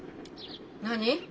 何？